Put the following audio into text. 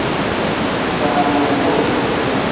Damuru-muru.